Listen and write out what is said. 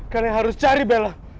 kalian harus cari bella